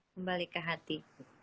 kembali ke hati